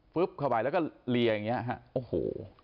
ปึ๊บขิดไปแล้วก็เลี่ยแบบนี้นี้ฮะโอ้โห